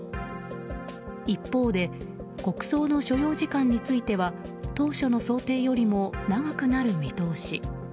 一方で国葬の所要時間については当初の想定よりも長くなる見通し。